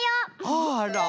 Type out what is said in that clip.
あら。